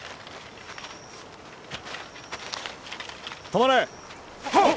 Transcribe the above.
止まれ！